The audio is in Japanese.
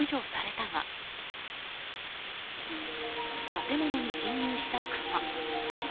建物に侵入したクマ。